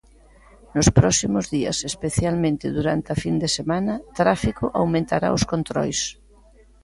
Nos próximos días, especialmente durante a fin de semana, Tráfico aumentará os controis.